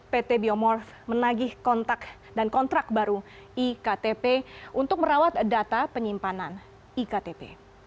pt biomorph menagih kontrak baru iktp untuk merawat data penyimpanan iktp